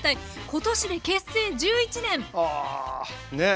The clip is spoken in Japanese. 今年で結成１１年！は！ね。